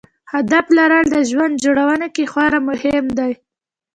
هدف لرل د ژوند جوړونې کې خورا مهم دی.